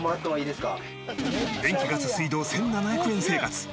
電気ガス水道１７００円生活。